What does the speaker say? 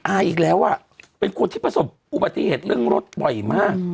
อีกแล้วอ่ะเป็นคนที่ประสบอุบัติเหตุเรื่องรถบ่อยมาก